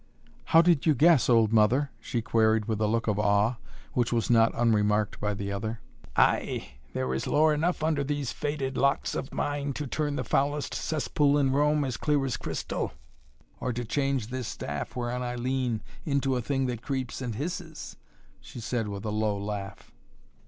"How did you guess, old mother?" she queried with a look of awe, which was not unremarked by the other. "Ay there is lore enough under these faded locks of mine to turn the foulest cesspool in Rome as clear as crystal, or to change this staff whereon I lean into a thing that creeps and hisses," she said with a low laugh.